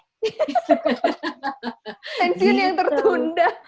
pensiun yang tertunda